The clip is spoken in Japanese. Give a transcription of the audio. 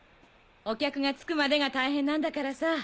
お客がつくまでが大変なんだからさ。